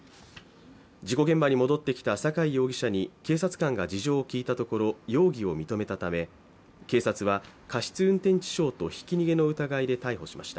事故現場に戻ってきた酒井容疑者に警察官が事情を聞いたところ容疑を認めたため警察は、過失運転致傷とひき逃げの疑いで逮捕しました。